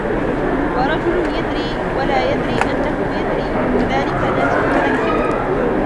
وَرَجُلٌ يَدْرِي وَلَا يَدْرِي أَنَّهُ يَدْرِي فَذَلِكَ نَاسٍ فَذَكِّرُوهُ